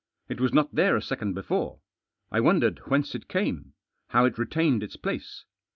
It was not there a second before. I wondered whence it came, how it retained its place.